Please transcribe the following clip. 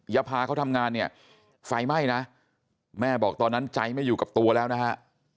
ยาพาเขาทำงานเนี่ยไฟไหม้นะแม่บอกตอนนั้นใจไม่อยู่กับตัวแล้วนะฮะ